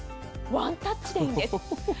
ワンタッチでいいんです。